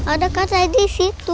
ada kan tadi di situ